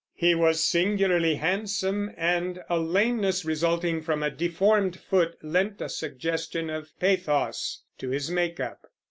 He was singularly handsome; and a lameness resulting from a deformed foot lent a suggestion of pathos to his make up.